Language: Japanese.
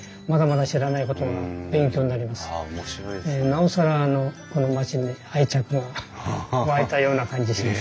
なおさらこの町に愛着が湧いたような感じします。